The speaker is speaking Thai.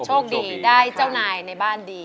โชคดีได้เจ้านายในบ้านดี